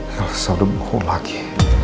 ya allah saya sudah bohong lagi